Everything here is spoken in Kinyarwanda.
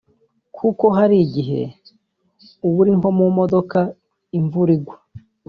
Kuko hari igihe uba uri nko mu modoka imvura igwa